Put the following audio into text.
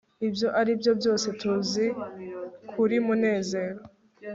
ibyo aribyo byose tuzi kuri munezero